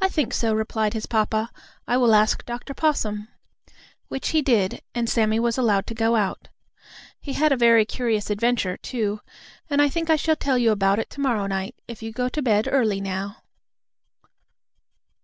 "I think so," replied his papa. "I will ask Dr. Possum." Which he did, and Sammie was allowed to go out. He had a very curious adventure, too, and I think I shall tell you about it to morrow night, if you go to bed early now.